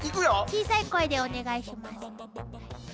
小さい声でお願いします。